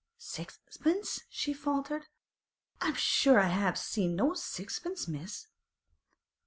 'Sixpence!' she faltered, 'I'm sure I haven't seen no sixpence, miss.